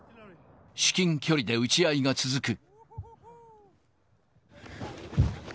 至近距離で撃ち合いが続く。